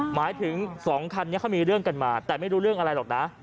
หมายถึงสองคันนี้เขามีเรื่องกันมาแต่ไม่รู้เรื่องอะไรหรอกนะ